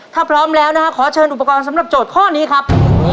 ถ้าพร้อมแล้วนะฮะขอเชิญอุปกรณ์สำหรับโจทย์ข้อนี้ครับ